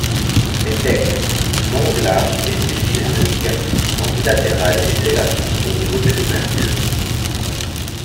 Les thèques, longues, larges et sub-cylindriques, sont bilatérales et s'élargissent au niveau de l'ouverture.